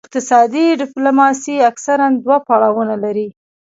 اقتصادي ډیپلوماسي اکثراً دوه پړاوونه لري